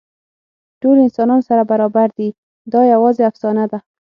ټول انسانان سره برابر دي، دا یواځې افسانه ده.